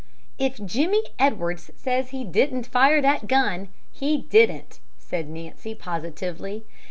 "If Jimmie Edwards says he didn't fire that gun, he didn't," said Nancy, positively.